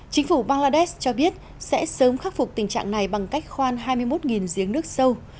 chính phủ bangladesh cho biết sẽ sớm khắc phục tình trạng này bằng cách khoan hai mươi một giếng nước sâu